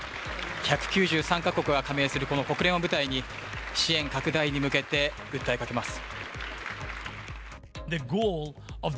１９３か国が加盟するこの国連を舞台に支援拡大に向けて訴えかけます。